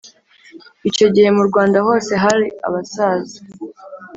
Icyo gihe mu Rwanda hose hari abasaza